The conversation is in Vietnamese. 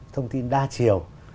thông tin đa chiều